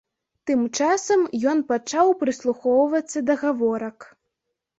Тым часам ён пачаў прыслухоўвацца да гаворак.